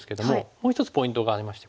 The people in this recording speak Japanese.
もう一つポイントがありまして。